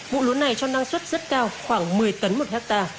vụ lúa này cho năng suất rất cao khoảng một mươi tấn một ha